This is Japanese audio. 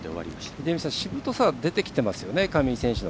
秀道さんしぶとさ、出てきていますよね。